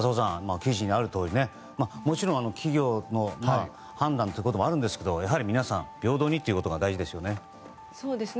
記事にあるとおりもちろん企業の判断もありますがやはり皆さん平等にということが大事ですよね。